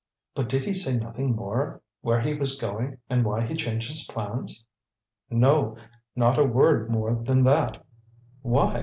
But did he say nothing more where he was going, and why he changed his plans?" "No, not a word more than that. Why?